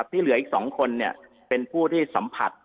ที่เหลืออีก๒คนเป็นผู้ที่สัมผัส